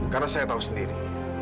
karena saya tahu sendiri